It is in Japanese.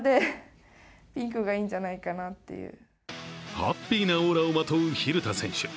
ハッピーなオーラをまとう晝田選手。